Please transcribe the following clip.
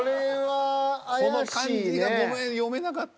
この漢字がごめん読めなかった。